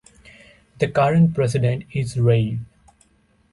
The current president is Rev.